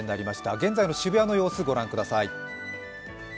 現在の渋谷の様子、御覧ください。